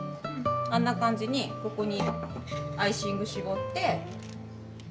あんな感じにここにアイシング絞って。